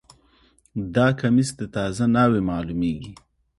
دا کمیس د تازه ناوې معلومیږي